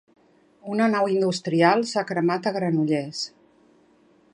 Una nau industrial s'ha cremat a Granollers.